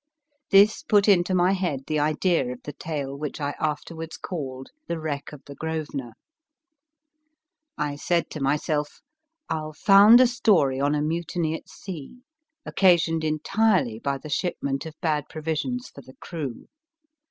This put into my head the idea of the tale which I afterwards called The Wreck of the " Grosvenor." I said to myself, I ll found a story on a mutiny at sea, occa sioned entirely by the shipment of bad provisions for the crew.